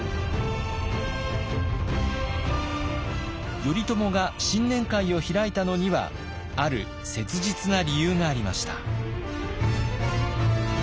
頼朝が新年会を開いたのにはある切実な理由がありました。